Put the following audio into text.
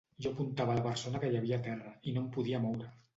Jo apuntava la persona que hi havia a terra i no em podia moure.